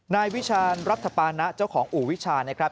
นายวิชาญรับทราบพาณะเจ้าของอู๋วิชาญนะครับ